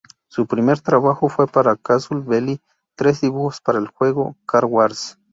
Su primer trabajo fue para "Casus Belli": tres dibujos para el juego "Car Wars".